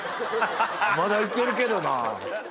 まだいけるけどな。